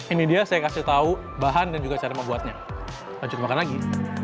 ini dia saya kasih tahu bahan dan juga cara membuatnya lanjut makan lagi